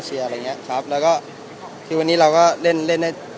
สวัสดีครับขออนุญาตถ้าใครถึงแฟนทีลักษณ์ที่เกิดอยู่แล้วค่ะ